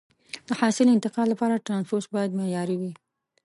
د حاصل انتقال لپاره ترانسپورت باید معیاري وي.